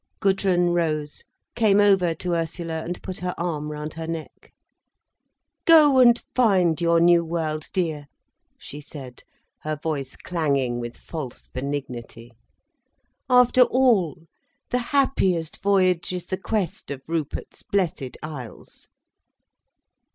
Gudrun rose, came over to Ursula and put her arm round her neck. "Go and find your new world, dear," she said, her voice clanging with false benignity. "After all, the happiest voyage is the quest of Rupert's Blessed Isles."